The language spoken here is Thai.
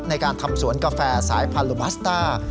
ในการทำสวนกาแฟสายพันธุบัสต้า